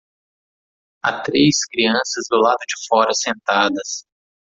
Há três crianças do lado de fora sentadas.